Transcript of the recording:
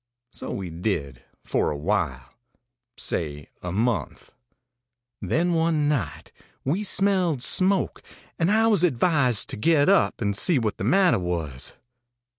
So we did for awhile say a month. Then one night we smelled smoke, and I was advised to get up and see what the matter was.